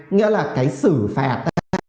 nghĩa là cái xử phạt